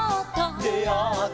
「であった」